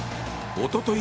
おととい